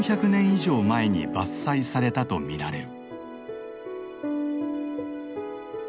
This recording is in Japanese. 以上前に伐採されたとみられる。